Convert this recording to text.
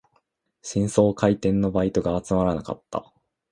新装開店のバイトが集まらなかった